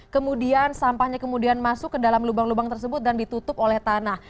kemudian sampahnya kemudian masuk ke dalam lubang lubang tersebut dan ditutup oleh tanah